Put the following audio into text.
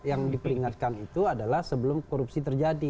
yang diperingatkan itu adalah sebelum korupsi terjadi